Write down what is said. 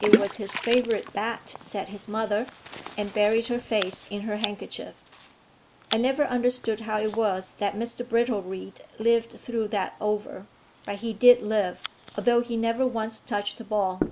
"It was his favourite bat," said his mother, and buried her face in her handkerchief. I never understood how it was that Mr Brittlereed lived through that over; but he did live, although he never once touched the ball.